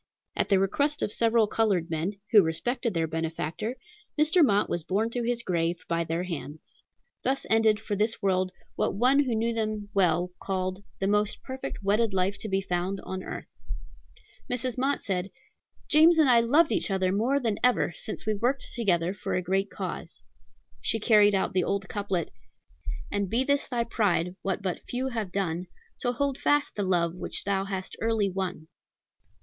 At the request of several colored men, who respected their benefactor, Mr. Mott was borne to his grave by their hands. Thus ended, for this world, what one who knew them well called "the most perfect wedded life to be found on earth." Mrs. Mott said, "James and I loved each other more than ever since we worked together for a great cause." She carried out the old couplet: "And be this thy pride, what but few have done, To hold fast the love thou hast early won."